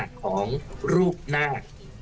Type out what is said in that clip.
๑รักษณะของรูปหน้า